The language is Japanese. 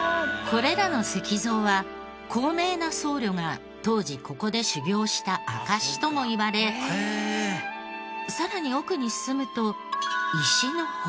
これらの石像は高名な僧侶が当時ここで修行した証しともいわれさらに奥に進むと石の祠が。